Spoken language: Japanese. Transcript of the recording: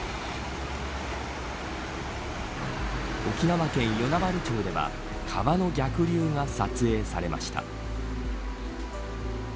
沖縄県与那原町では川の逆流が撮影されました。